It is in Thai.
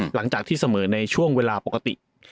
หลังจากที่เสมอในช่วงเวลาปกติ